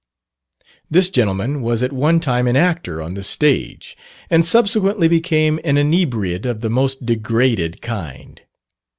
This gentleman was at one time an actor on the stage, and subsequently became an inebriate of the most degraded kind.